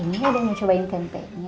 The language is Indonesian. ini ada yang mencobain tante